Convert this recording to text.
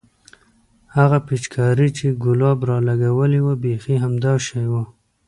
هغه پيچکارۍ چې ګلاب رالګولې وه بيخي همدا شى وه.